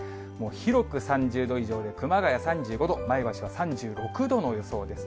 広く３０度以上で、熊谷３５度、前橋は３６度の予想です。